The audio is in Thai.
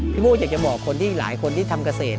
โม่อยากจะบอกคนที่หลายคนที่ทำเกษตร